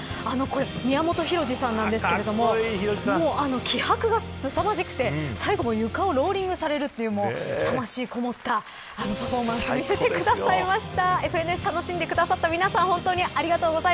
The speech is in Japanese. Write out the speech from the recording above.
宮本浩次さんですが気迫が、すさまじくて最後も床をローリングされるという魂のこもったパフォーマンスを見せてくださいました。